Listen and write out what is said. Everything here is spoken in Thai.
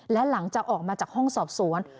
และหลังจากออกมาจากห้องสอบสวน